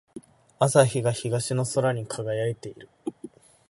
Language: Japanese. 朝日が東の空に輝いている。